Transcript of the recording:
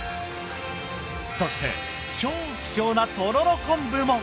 そして超希少なとろろ昆布も。